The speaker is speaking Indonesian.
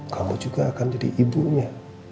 kamu juga akan jadi ibunya